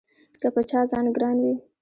که په چا ځان ګران وي